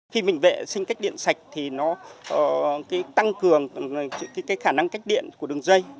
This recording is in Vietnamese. khi mình vệ sinh cách điện sạch thì nó tăng cường khả năng cách điện của đường dây